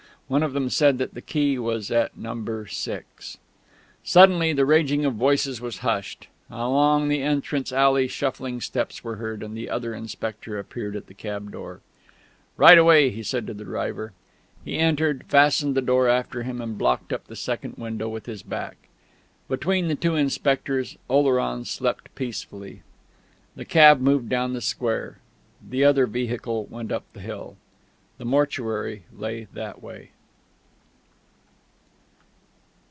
One of them said that the key was at Number Six.... Suddenly the raging of voices was hushed. Along the entrance alley shuffling steps were heard, and the other inspector appeared at the cab door. "Right away," he said to the driver. He entered, fastened the door after him, and blocked up the second window with his back. Between the two inspectors Oleron slept peacefully. The cab moved down the square, the other vehicle went up the hill. The mortuary lay that way.